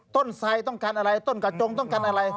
ไซด์ต้องการอะไรต้นกระจงต้องการอะไร